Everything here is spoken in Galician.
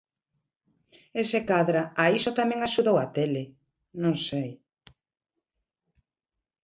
E se cadra a iso tamén axudou a tele, non sei.